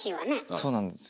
そうなんですよ。